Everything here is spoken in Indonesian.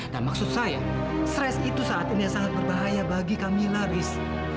dan maksud saya stres itu saat ini yang sangat berbahaya bagi kamila riz